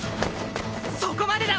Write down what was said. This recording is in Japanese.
そこまでだ